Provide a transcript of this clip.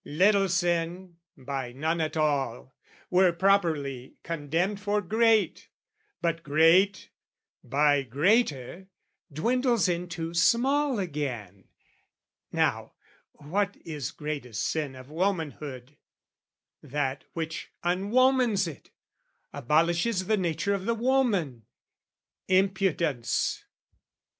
Little sin, by none at all, Were properly condemned for great: but great, By greater, dwindles into small again. Now, what is greatest sin of womanhood? That which unwomans it, abolishes The nature of the woman, impudence.